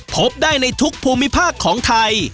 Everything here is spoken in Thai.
พบได้ในทุกภูมิภาคของไทย